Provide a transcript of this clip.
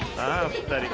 ２人。